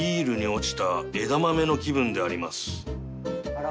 「あら。